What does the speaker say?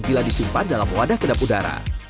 bila disimpan dalam wadah kedap udara